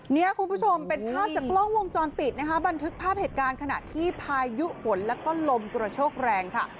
เนี่ยคุณผู้ชมเป็นภาพจากกล้องวงจรปิดนะคะบันทึกภาพเหตุการณ์ขณะที่พายุฝนแล้วก็ลมกระโชกแรงค่ะ